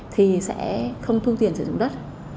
thì sẽ không thu tiền sử dụng đất